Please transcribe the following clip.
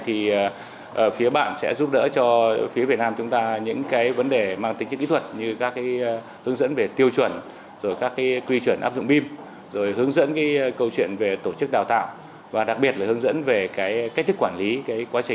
thì phía bạn sẽ giúp đỡ cho phía việt nam chúng ta những vấn đề mang tính chức